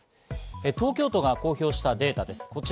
東京都が公表したデータです。